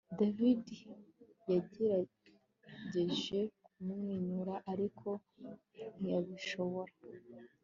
David yagerageje kumwenyura ariko ntiyabishobora